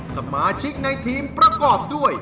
สมาชิกในทีมประกอบด้วย